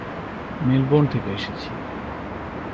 Melbourne থেকে এসেছি।